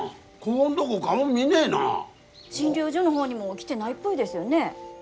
診療所の方にも来てないっぽいですよね。